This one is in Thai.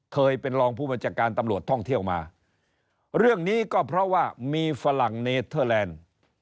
เคยเป็นรองผู้บัญชาการตำรวจท่องเที่ยวมาเรื่องนี้ก็เพราะว่ามีฝรั่งเนเทอร์แลนด์